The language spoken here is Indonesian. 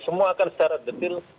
semua akan secara detail